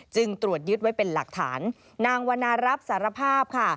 ตรวจยึดไว้เป็นหลักฐานนางวันนารับสารภาพค่ะ